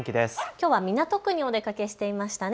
きょうは港区にお出かけしていましたね。